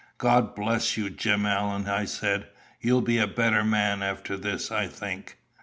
"God bless you, Jim Allen!" I said. "You'll be a better man after this, I think."